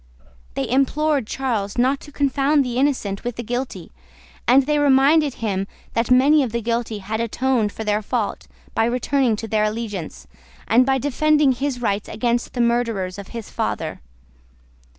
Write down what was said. They implored Charles not to confound the innocent with the guilty, and reminded him that many of the guilty had atoned for their fault by returning to their allegiance, and by defending his rights against the murderers of his father.